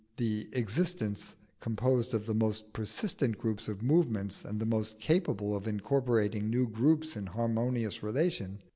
_, the existence composed of the most persistent groups of movements and the most capable of incorporating new groups in harmonious relation.